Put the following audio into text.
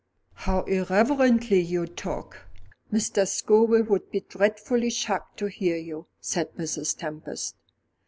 "How irreverently you talk. Mr. Scobel would be dreadfully shocked to hear you." said Mrs. Tempest.